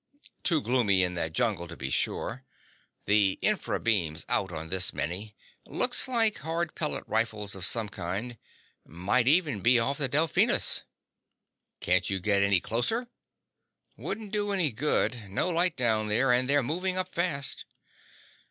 "Too gloomy in that jungle to be sure. The infra beam's out on this mini. Looks like hard pellet rifles of some kind. Might even be off the Delphinus." "Can't you get closer?" "Wouldn't do any good. No light down there, and they're moving up fast."